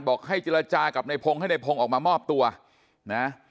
ให้เจรจากับในพงศ์ให้ในพงศ์ออกมามอบตัวนะ